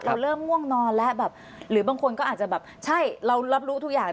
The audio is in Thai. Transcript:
เราเริ่มง่วงนอนแล้วแบบหรือบางคนก็อาจจะแบบใช่เรารับรู้ทุกอย่าง